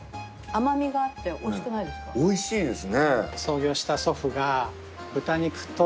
おいしいですね。